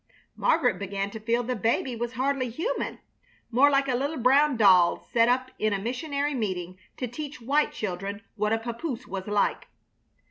Margaret began to feel the baby was hardly human, more like a little brown doll set up in a missionary meeting to teach white children what a papoose was like.